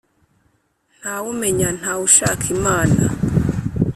Nta wumenya nta wushaka imana